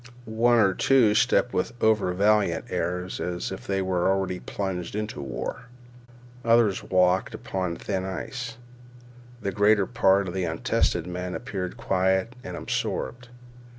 One or two stepped with overvaliant airs as if they were already plunged into war. Others walked as upon thin ice. The greater part of the untested men appeared quiet and absorbed.